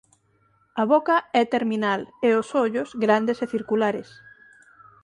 A boca é terminal e os ollos grandes e circulares.